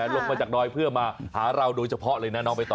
ลงมาจากดอยเพื่อมาหาเราโดยเฉพาะเลยนะน้องไปต่อ